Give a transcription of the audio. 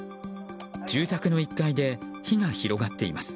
住宅の１階で火が広がっています。